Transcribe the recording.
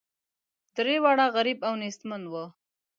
درې واړه غریب او نیستمن وه.